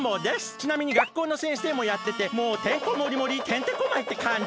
ちなみに学校の先生もやっててもうてんこもりもりてんてこまいってかんじ。